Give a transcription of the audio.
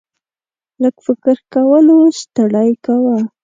لږ فکر کولو ستړی کاوه.